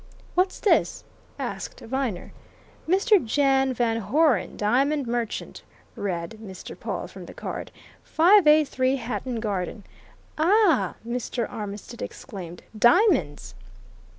"What's this?" asked Viner. "Mr. Jan Van Hoeren, Diamond Merchant," read Mr. Pawle from the card, "583 Hatton Garden " "Ah!" Mr. Armitstead exclaimed. "Diamonds!"